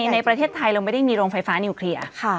ในประเทศไทยเราไม่ได้มีโรงไฟฟ้านิวเคลียร์